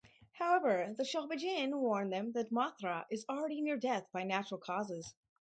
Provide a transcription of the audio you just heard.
However, the Shobijin warn them that Mothra is already near death by natural causes.